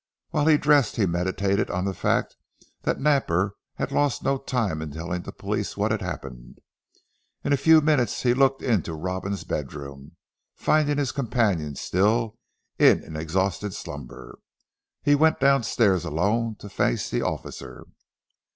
While he dressed he meditated on the fact that Napper had lost no time in telling the police what had happened. In a few minutes he looked into Robin's bedroom, and finding his companion still in an exhausted slumber, he went downstairs alone, to face the officer.